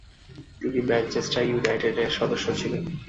তিনি ম্যানচেস্টার ইউনাইটেডের সদস্য ছিলেন।